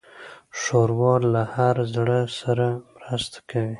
ښوروا له هر زړه سره مرسته کوي.